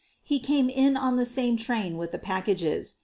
He came in on the same train with the packages.